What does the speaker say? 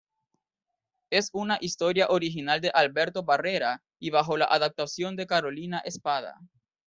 Es una historia original de Alberto Barrera y bajo la adaptación de Carolina Espada.